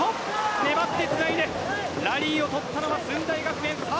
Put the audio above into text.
粘って、つないでラリーを取ったのは駿台学園。